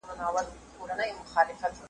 هم د زرکو هم د سوی په ځان بلا وو ,